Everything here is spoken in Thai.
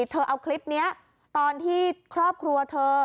เธอเอาคลิปนี้ตอนที่ครอบครัวเธอ